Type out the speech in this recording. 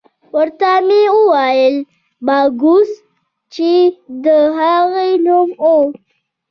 ورته ومې ویل: باکوس، چې د هغه نوم وو.